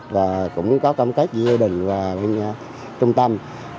và cũng có công tác với gia đình và bên trung tâm